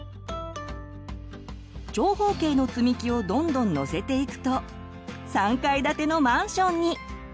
長方形のつみきをどんどんのせていくと３階建てのマンションに！